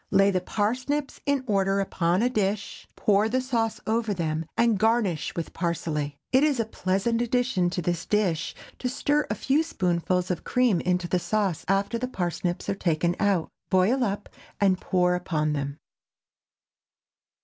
Lay the parsnips in order upon a dish, pour the sauce over them, and garnish with parsley. It is a pleasant addition to this dish to stir a few spoonfuls of cream into the sauce after the parsnips are taken out; boil up, and pour upon them.